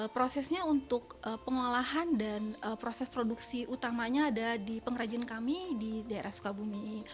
prosesnya untuk pengolahan dan proses produksi utamanya ada di pengrajin kami di daerah sukabumi